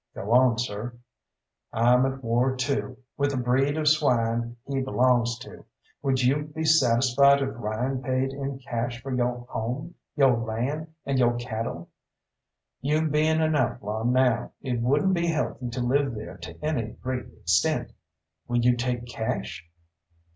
"Go on, sir." "I'm at war, too, with the breed of swine he belongs to. Would you be satisfied if Ryan paid in cash for yo' home, yo' land, and yo' cattle? You being an outlaw now, it wouldn't be healthy to live there to any great extent. Will you take cash?"